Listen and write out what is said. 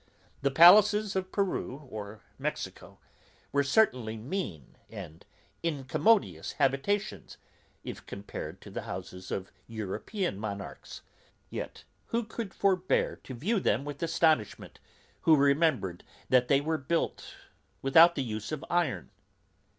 The palaces of Peru or Mexico were certainly mean and incommodious habitations, if compared to the houses of European monarchs; yet who could forbear to view them with astonishment, who remembered that they were built without the use of iron?